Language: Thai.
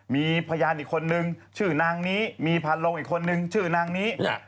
มีพยานอีกคนนึงชื่อนางนี้มีพันลงอีกคนนึงชื่อนางนี้